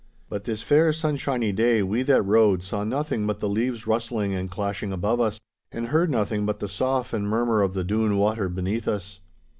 But this fair sunshiny day we that rode saw nothing but the leaves rustling and clashing above us, and heard nothing but the sough and murmur of the Doon water beneath us.